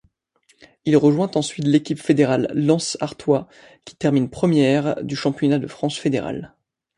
Il rejoint ensuite l'équipe fédérale Lens-Artois qui termine première du championnat de France fédéral.